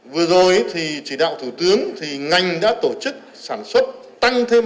vừa rồi thì chỉ đạo thủ tướng thì ngành đã tổ chức sản xuất